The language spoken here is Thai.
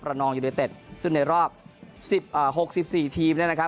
ประนองยูเต็ดซึ่งในรอบสิบเอ่อหกสิบสี่ทีมแล้วนะครับ